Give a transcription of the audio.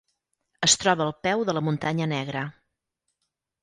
Es troba al peu de la Muntanya Negra.